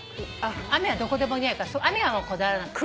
雨はどこでも似合うから雨はこだわらなくていい。